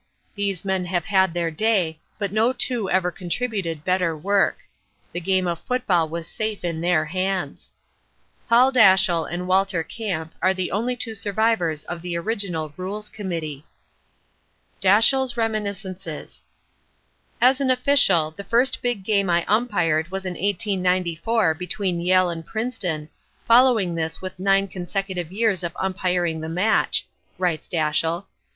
These men have had their day, but no two ever contributed better work. The game of Football was safe in their hands. Paul Dashiell and Walter Camp are the only two survivors of the original Rules Committee. Dashiell's Reminiscences "As an official, the first big game I umpired was in 1894 between Yale and Princeton, following this with nine consecutive years of umpiring the match," writes Dashiell.